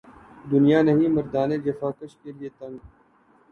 دنیا نہیں مردان جفاکش کے لیے تنگ